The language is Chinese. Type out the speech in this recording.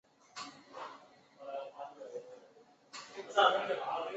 酋长系由贵族成员中选举产生。